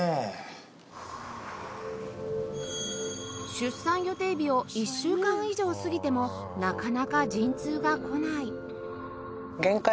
出産予定日を１週間以上過ぎてもなかなか陣痛がこない